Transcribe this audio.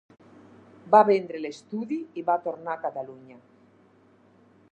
Va vendre l'estudi i va tornar a Catalunya.